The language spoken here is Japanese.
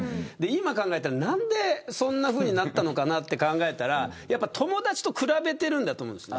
今考えたら、何でそんなふうになったのかなと考えたら友達と比べてるんだと思うんです。